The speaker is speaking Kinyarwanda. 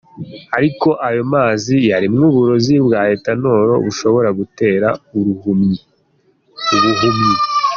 Ariko ayo mazi yarimwo uburozi bwa Ethanol bushobora gutera uruhumyi.